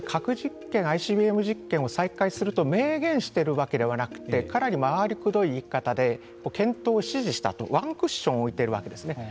核実験、ＩＣＢＭ実験を再開すると明言しているわけではなくてかなり回りくどい言い方で検討を指示したとワンクッション置いているわけですね。